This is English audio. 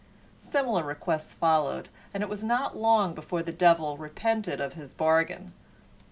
Similar requests followed, and it was not long before the devil repented of his bargain.